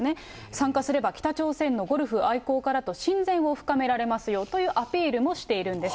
参加すれば北朝鮮のゴルフ愛好家らと親善を深められますよというアピールもしているんです。